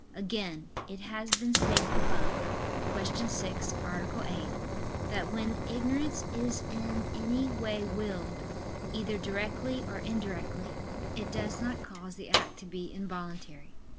Again, it has been stated above (Q. 6, A. 8) that when ignorance is in any way willed, either directly or indirectly, it does not cause the act to be involuntary.